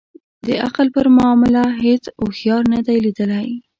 د عقل پر معامله هیڅ اوښیار نه دی لېدلی.